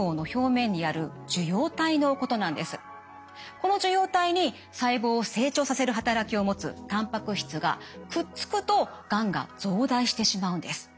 この受容体に細胞を成長させる働きを持つたんぱく質がくっつくとがんが増大してしまうんです。